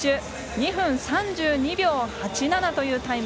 ２分３２秒８７というタイム。